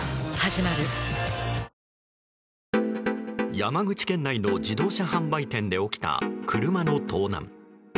山口県内の自動車販売店で起きた車の盗難。